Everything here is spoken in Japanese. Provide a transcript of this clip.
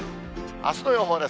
あすの予報です。